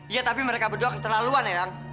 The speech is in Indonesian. iya tapi mereka berdua keterlaluan ya